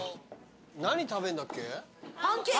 何食べんだっけ？